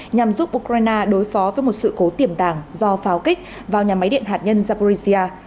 nhằm giúp ukraine đối phó với một sự cố tiềm tàng do pháo kích vào nhà máy điện hạt nhân zaporizia